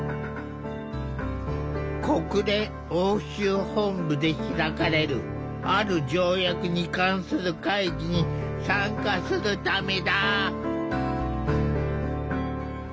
国連欧州本部で開かれるある条約に関する会議に参加するためだ。